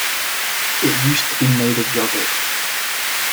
It used to be made of yogurt.